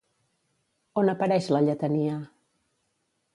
On apareix la lletania?